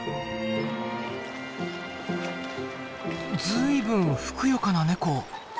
随分ふくよかなネコ。